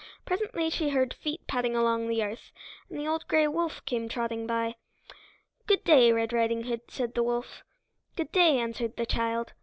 Presently she heard feet padding along the path, and the old gray wolf came trotting by. "Good day, Red Riding Hood," said the wolf. "Good day," answered the child.